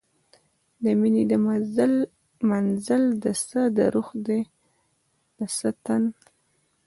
د میینې د منزل ده، څه د روح ده څه د تن